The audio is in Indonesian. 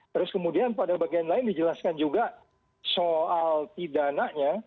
terus kemudian pada bagian lain dijelaskan juga soal pidananya